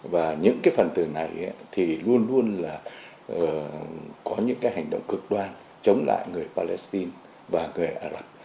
và những cái phần từ này thì luôn luôn là có những cái hành động cực đoan chống lại người palestine và người ả rập